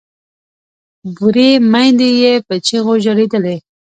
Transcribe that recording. بورې میندې یې په چیغو ژړېدلې